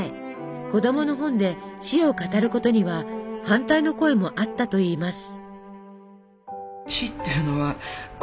子供の本で死を語ることには反対の声もあったといいます。